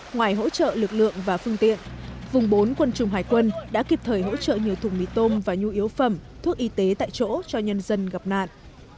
ngoài hỗ trợ lực lượng và phương tiện vùng bốn quân chủng hải quân đã kịp thời hỗ trợ nhiều thùng mì tôm và nhu yếu phẩm thuốc y tế tại chỗ cho nhân dân gặp nạn